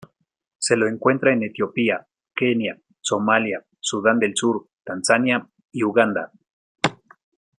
Se lo encuentra en Etiopía, Kenia, Somalia, Sudan del Sur, Tanzania y Uganda.